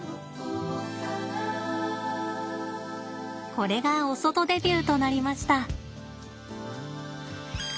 これがお外デビューとなりました。